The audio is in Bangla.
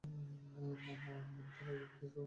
মনে তো হয় কেসও করছে।